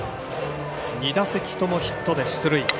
２打席ともヒットで出塁。